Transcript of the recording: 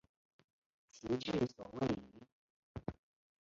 其治所位于。